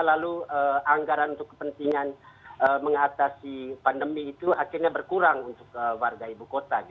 lalu anggaran untuk kepentingan mengatasi pandemi itu akhirnya berkurang untuk warga ibu kota